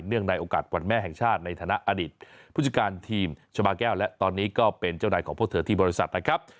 ในโอกาสวันแม่แห่งชาติในฐานะอดีตผู้จัดการทีมชาบาแก้วและตอนนี้ก็เป็นเจ้านายของพวกเธอที่บริษัทนะครับ